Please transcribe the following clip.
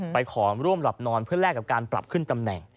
ขอร่วมหลับนอนเพื่อแลกกับการปรับขึ้นตำแหน่ง